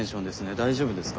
大丈夫ですか？